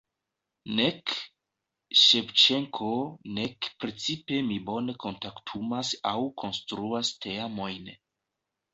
Nek Ŝevĉenko nek precipe mi bone kontaktumas aŭ konstruas teamojn.